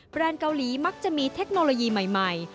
เกาหลีมักจะมีเทคโนโลยีใหม่